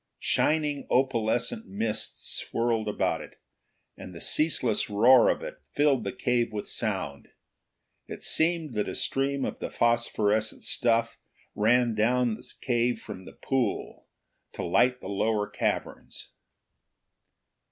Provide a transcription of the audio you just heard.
Shining opalescent mists swirled about it, and the ceaseless roar of it filled the cave with sound. It seemed that a stream of the phosphorescent stuff ran off down the cave from the pool, to light the lower caverns.